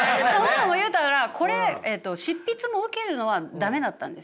それを言うたらこれ執筆も受けるのは駄目だったんです。